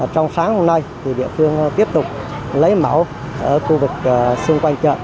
trong sáng hôm nay địa phương tiếp tục lấy mẫu ở khu vực xung quanh chợ